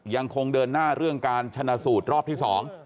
ยังคงเดินหน้าเรื่องการชนะสูตรรอบที่๒